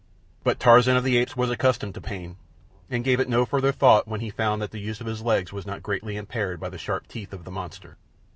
But Tarzan of the Apes was accustomed to pain, and gave it no further thought when he found that the use of his legs was not greatly impaired by the sharp teeth of the monster.